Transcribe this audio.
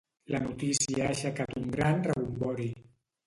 La notícia ha aixecat un gran rebombori.